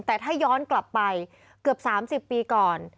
แต่ถ้าย้อนกลับไปเกือบ๓๐ปีก่อน